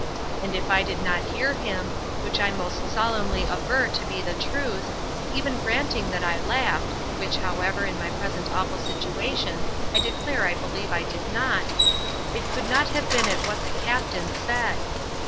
And if I did not hear him, which I most solemnly aver to be the truth, even granting that I laughed (which, however, in my present awful situation I declare I believe I did not), it could not have been at what the captain said.